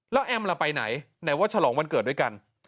แล้วแอมล่ะไปไหนไหนว่าฉลองวันเกิดด้วยกัน